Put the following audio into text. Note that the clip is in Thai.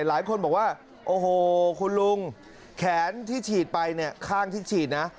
หลายคนบอกว่าโอ้โหคุณลุงแขนที่ฉีดไปเนี่ยข้างที่ฉีดนะ